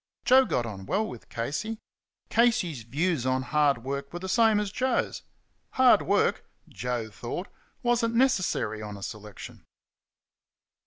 Joe got on well with Casey. Casey's views on hard work were the same as Joe's. Hard work, Joe thought, was n't necessary on a selection.